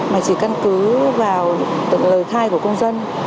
mà chỉ căn cứ vào lời thai của công dân